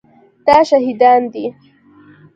دا شهیدان دي